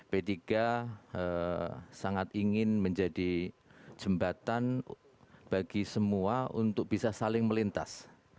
p tiga sangat ingin menjadi jembatan bagi semua untuk bisa saling melintas